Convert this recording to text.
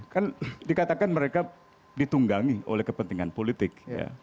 kan dikatakan mereka ditunggangi oleh kepentingan politik